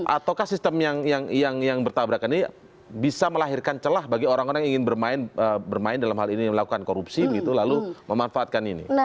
ataukah sistem yang bertabrakan ini bisa melahirkan celah bagi orang orang yang ingin bermain dalam hal ini melakukan korupsi begitu lalu memanfaatkan ini